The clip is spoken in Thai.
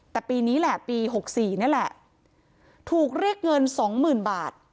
แต่ปีนี้แหละปี๖๔นี่แหละถูกเรียกเงินสองหมื่นบาท